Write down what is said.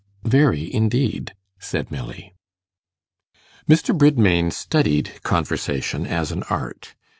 'Very, indeed,' said Milly. Mr. Bridmain studied conversation as an art.